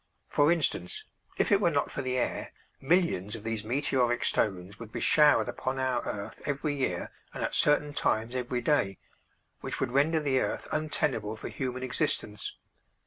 For instance, if it were not for the air, millions of these meteoric stones would be showered upon our earth every year and at certain times every day, which would render the earth untenable for human existence.